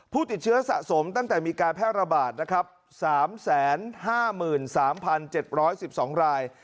ผู้ติดเชื้อสะสมตั้งแต่มีการแพร่ระบาดนะครับ๓๕๓๗๑๒ราย